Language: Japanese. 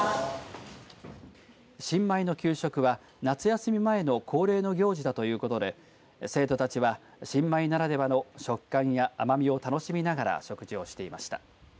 新米の給食は夏休み前の恒例の行事だということで生徒たちは新米ならではの食感や甘みを楽しみながら食事をしていました。